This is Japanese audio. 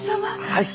はい。